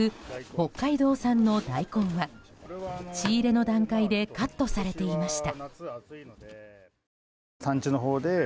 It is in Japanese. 北海道産の大根は仕入れの段階でカットされていました。